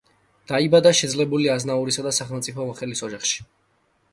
დაიბადა შეძლებული აზნაურისა და სახელმწიფო მოხელის ოჯახში.